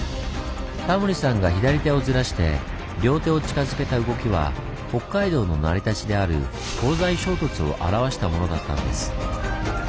タモリさんが左手をずらして両手を近づけた動きは北海道の成り立ちである「東西衝突」を表したものだったんです。